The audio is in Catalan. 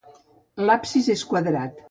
L'absis és quadrat.